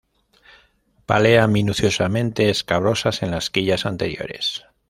Pálea minuciosamente escabrosas en las quillas anteriores.